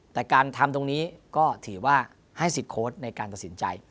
แต่การทำตรงนี้ก็ถือว่าให้สิทธิ์โค้ดในการตัดสินใจ